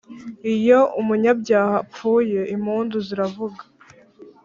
iyo umunyabyaha apfuye impundu ziravuga